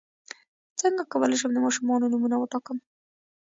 څنګه کولی شم د ماشومانو نومونه وټاکم